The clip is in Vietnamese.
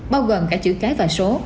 bao gồm cả chữ cái và số